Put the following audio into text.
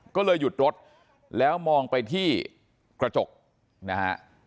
ก็เลยหยุดรถแล้วมองไปที่กระจกนะฮะ